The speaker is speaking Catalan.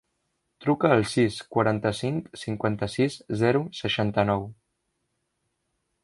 Truca al sis, quaranta-cinc, cinquanta-sis, zero, seixanta-nou.